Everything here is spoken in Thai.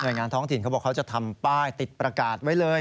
โดยงานท้องถิ่นเขาบอกเขาจะทำป้ายติดประกาศไว้เลย